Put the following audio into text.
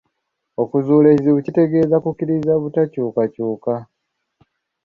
Okuzuula ekizibu tekitegeeza kukkiriza butakyukakyuka.